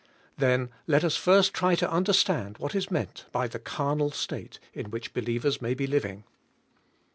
Then, let us first try to understand what is meant by the carnal state in which believers may be living.